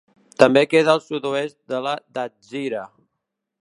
També queda al sud-oest de la Datzira.